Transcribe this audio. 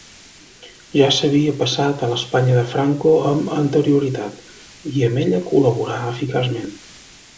Ja s'havia passat a l'Espanya de Franco amb anterioritat, i amb ella col·laborà eficaçment.